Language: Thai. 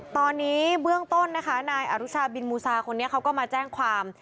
ตอนนี้เบื้องต้นนะคะนายอรุชาบินมูซาคนนี้เขาก็มาแจ้งความ